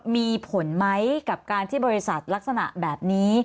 มีผลไหมกับการที่บริษัทลักษณะแบบนี้